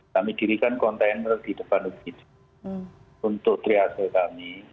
kami dirikan container di depan ugd untuk triage kami